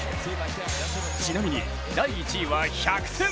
ちなみに第１位は１００点！